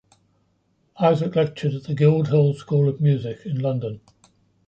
Isaac lectured at the Guildhall School of Music in London.